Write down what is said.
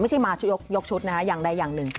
ไม่ใช่มาชุดยกชุดนะฮะอย่างใดอย่างหนึ่ง